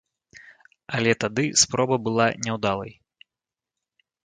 Але тады спроба была няўдалай.